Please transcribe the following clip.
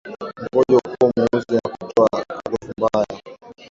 Mkojo kuwa mweusi na kutoa harufu mbaya